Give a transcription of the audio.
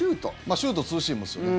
シュートツーシームですよね。